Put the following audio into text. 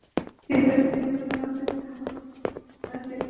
কিন্তু জমি আমার নামে তো আর কিনতে পারি না।